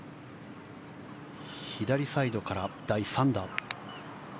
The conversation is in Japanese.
左サイドから第３打。